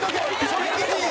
それきつい！